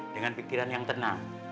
dengan pikiran yang tenang